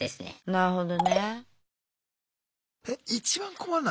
なるほど。